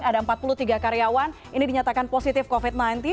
ada empat puluh tiga karyawan ini dinyatakan positif covid sembilan belas